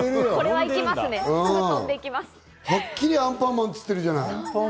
はっきり「アンパンマン」っつってるじゃない。